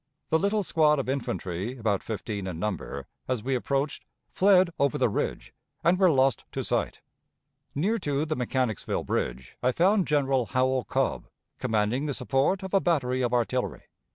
The little squad of infantry, about fifteen in number, as we approached, fled over the ridge, and were lost to sight. Near to the Mechanicsville Bridge I found General Howell Cobb, commanding the support of a battery of artillery.